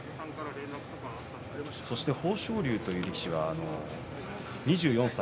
豊昇龍という力士は２４歳。